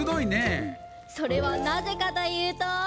それはなぜかというと。